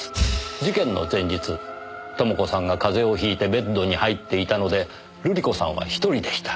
事件の前日朋子さんが風邪をひいてベッドに入っていたので瑠璃子さんは一人でした。